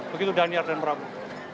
begitu daniel dan prabu